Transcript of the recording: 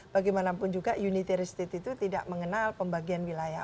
bagaimanapun juga unitaris itu tidak mengenal pembagian wilayah